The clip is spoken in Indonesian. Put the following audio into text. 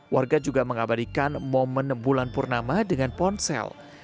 warga juga mengabadikan momen bulan purnama dengan ponsel